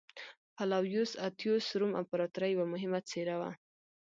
فلاویوس اتیوس روم امپراتورۍ یوه مهمه څېره وه